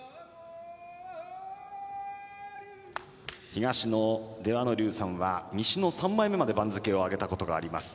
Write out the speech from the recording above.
東の出羽ノ龍さんは西の三枚目まで番付を上げたことがあります。